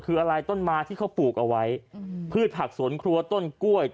คืออะไรต้นไม้ที่เขาปลูกเอาไว้พืชผักสวนครัวต้นกล้วย